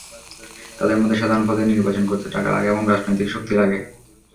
তাঁদের মতে, সাধারণ পদে নির্বাচন করতে টাকা লাগে এবং রাজনৈতিক শক্তি লাগে।